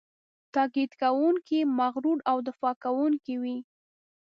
تاکید کوونکی، مغرور او دفاع کوونکی وي.